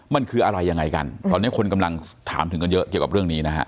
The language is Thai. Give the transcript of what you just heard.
มันคืออะไรยังไงกันตอนนี้คนกำลังถามถึงกันเยอะเกี่ยวกับเรื่องนี้นะฮะ